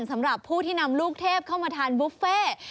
สำหรับผู้ที่นำลูกเทพเข้ามาทานบุฟเฟ่